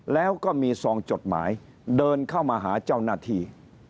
แล้วก็มีซองจดหมายเดินเข้ามาหาเจ้าหน้าที่